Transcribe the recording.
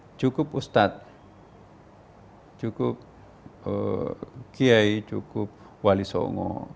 ini cukup ustadz cukup kiai cukup wali songo